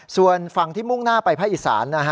ส่วนฝั่งที่มุ่งหน้าไปพระอีสาน